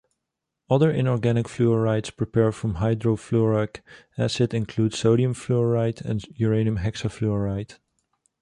Other inorganic fluorides prepared from hydrofluoric acid include sodium fluoride and uranium hexafluoride.